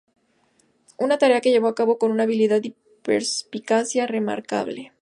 Una tarea que llevó a cabo con una habilidad y perspicacia remarcable.